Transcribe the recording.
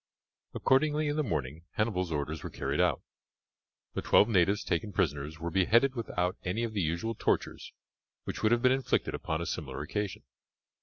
Accordingly in the morning Hannibal's orders were carried out; the twelve natives taken prisoners were beheaded without any of the usual tortures which would have been inflicted upon a similar occasion.